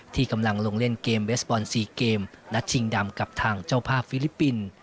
ที่กำลังลงเล่นเกมเบสบอล๔เกมนัดชิงดำกับทางเจ้าภาพฟิลิปปินส์